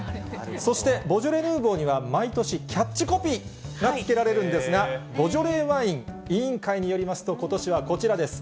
そしてボジョレ・ヌーボーには毎年、キャッチコピーが付けられるんですが、ボジョレーワイン委員会によりますと、ことしはこちらです。